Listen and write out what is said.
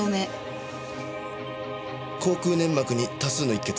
口腔粘膜に多数の溢血。